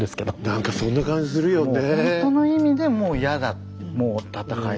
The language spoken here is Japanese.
何かそんな感じするよね。